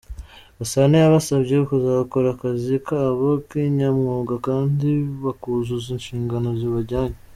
Gasana yabasabye kuzakora akazi kabo kinyamwuga kandi bakuzuza inshingano zibajyanye.